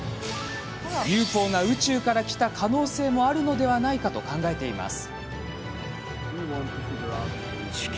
ＵＦＯが宇宙から来た可能性もあるのではないかと考えています。